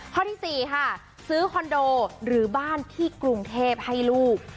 ข้อที่๔ค่ะซื้อคอนโดหรือบ้านที่กรุงเทพให้ลูก